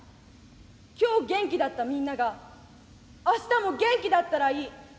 今日元気だったみんなが明日も元気だったらいい。